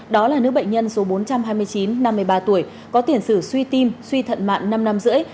đó là nữ bệnh nhân số bốn trăm hai mươi chín năm mươi ba tuổi có tiền sử suy tim suy thận mạng năm năm rưỡi